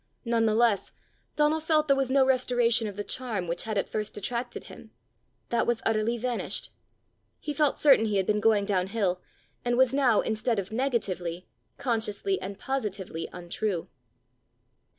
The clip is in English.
None the less Donal felt there was no restoration of the charm which had at first attracted him; that was utterly vanished. He felt certain he had been going down hill, and was now, instead of negatively, consciously and positively untrue.